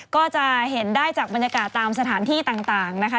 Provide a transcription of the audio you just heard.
ก็จะเห็นได้จากบรรยากาศตามสถานที่ต่างนะคะ